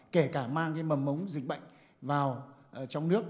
kể cả mang cái mầm mống dịch bệnh vào trong nước